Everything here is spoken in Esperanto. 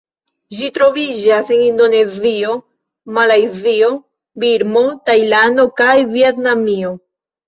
Ĝi troviĝas en Indonezio, Malajzio, Birmo, Tajlando kaj Vjetnamio.